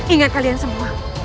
ingat kalian semua